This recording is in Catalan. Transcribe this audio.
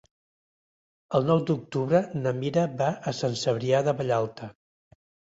El nou d'octubre na Mira va a Sant Cebrià de Vallalta.